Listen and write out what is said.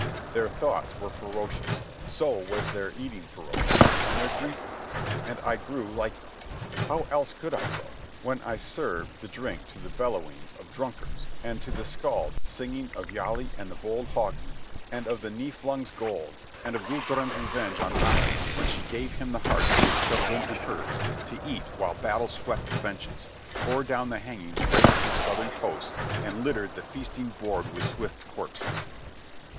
Their thoughts were ferocious; so was their eating ferocious, and their drinking. And I grew like them. How else could I grow, when I served the drink to the bellowings of drunkards and to the skalds singing of Hialli, and the bold Hogni, and of the Niflung's gold, and of Gudrun's revenge on Atli when she gave him the hearts of his children and hers to eat while battle swept the benches, tore down the hangings raped from southern coasts, and littered the feasting board with swift corpses.